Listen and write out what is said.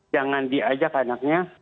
jangan diajak anaknya